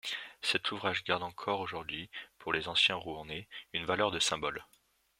Cet ouvrage garde encore aujourd’hui, pour les anciens Rouennais, une valeur de symbole.